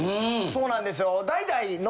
そうなんですよ。